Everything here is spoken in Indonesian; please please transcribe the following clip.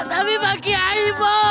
tapi pak kiayi